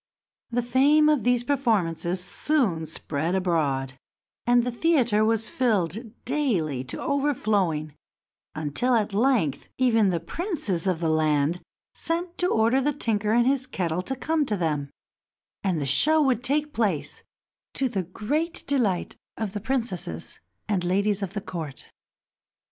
The fame of these performances soon spread abroad, and the theater was filled daily to overflowing until, at length, even the princes of the land sent to order the tinker and his kettle to come to them, and the show would take place, to the great delight of the princesses and ladies of the court.